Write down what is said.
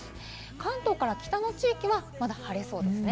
関東から北の地域はまだ晴れそうですね。